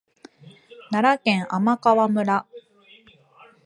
奈良県天川村